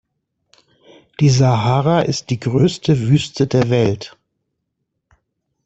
Die Sahara ist die größte Wüste der Welt.